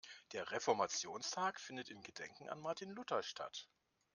Der Reformationstag findet in Gedenken an Martin Luther statt.